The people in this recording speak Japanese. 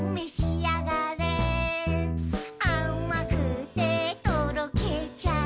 「あまくてとろけちゃうよ」